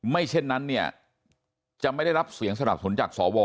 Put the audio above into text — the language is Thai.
เช่นนั้นเนี่ยจะไม่ได้รับเสียงสนับสนุนจากสว